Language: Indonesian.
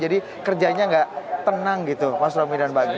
jadi kerjanya tidak tenang gitu mas romy dan mbak gret